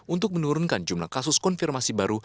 untuk menurunkan jumlah kasus konfirmasi baru